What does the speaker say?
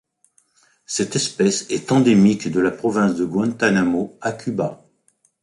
Cette espèce est endémique de la province de Guantanamo à Cuba.